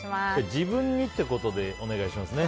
自分にってことでお願いしますね。